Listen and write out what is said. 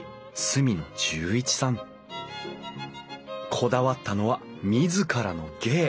こだわったのは自らの芸。